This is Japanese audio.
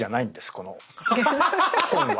この本は。